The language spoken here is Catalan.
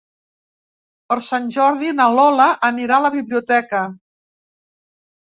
Per Sant Jordi na Lola anirà a la biblioteca.